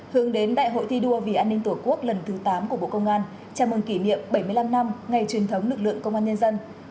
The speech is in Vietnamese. hướng đến đại hội thi đua vì an ninh tổ quốc lần thứ tám của bộ công an chào mừng kỷ niệm bảy mươi năm năm ngày truyền thống lực lượng công an nhân dân